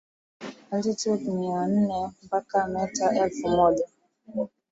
altitude mia nne mpaka meta elfu moja